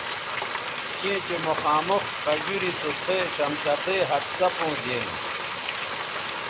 چیں چہء مخامخ قجوری سو څھے شمشتئ ھَت څپوں دینو